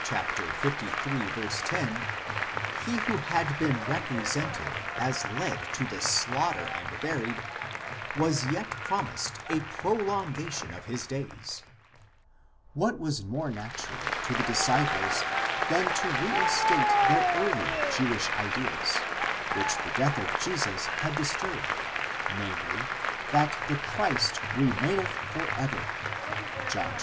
1111, 10, he who had been represented as led to the slaughter and buried, was yet promised a prolongation of his days: what was more natural to the disciples than to reinstate their earlier Jewish ideas, which the death of Jesus had.disturbed, namely, that the Christ remaineth for ever (John xii.